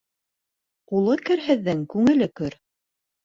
Ҡулы керһеҙҙең күңеле көр.